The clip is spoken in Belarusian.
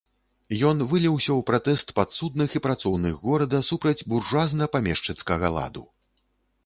Ён выліўся ў пратэст падсудных і працоўных горада супраць буржуазна-памешчыцкага ладу.